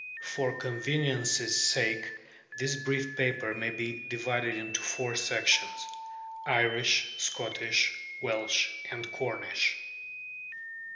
For convenience's sake, this brief paper may be divided into four sections: Irish, Scottish, Welsh, and Cornish.